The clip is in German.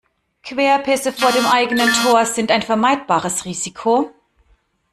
Querpässe vor dem eigenen Tor sind ein vermeidbares Risiko.